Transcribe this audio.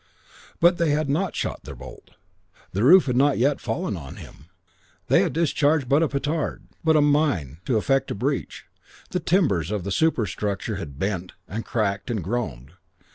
But they had not shot their bolt. The roof had not yet fallen on him. They had discharged but a petard, but a mine to effect a breach. The timbers of the superstructure had but bent and cracked and groaned.